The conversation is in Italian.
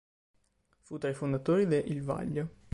Fu tra i fondatori de "Il Vaglio.